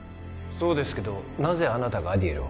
そうですけどなぜあなたがアディエルを？